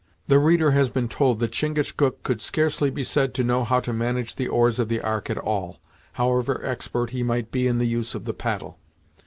The reader has been told that Chingachgook could scarcely be said to know how to manage the oars of the Ark at all, however expert he might be in the use of the paddle.